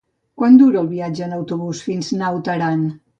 Quant dura el viatge en autobús fins a Naut Aran?